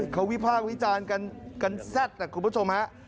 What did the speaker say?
เขาวิพากษ์วิจารณ์กันแซ่บนะคุณผู้ชมฮะ